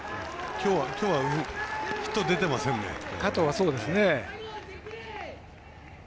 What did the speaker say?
きょうはヒット出てませんね。